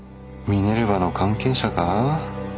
ミネルヴァの関係者か？